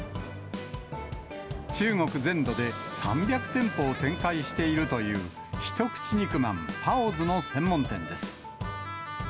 中国全土で３００店舗を展開しているという一口肉まん、パオズの専門店です。